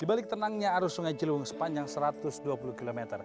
di balik tenangnya arus sungai ciliwung sepanjang satu ratus dua puluh km